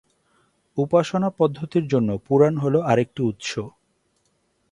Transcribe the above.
উপাসনা পদ্ধতির জন্য পুরাণ হল আরেকটি উৎস।